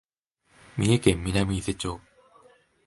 三重県南伊勢町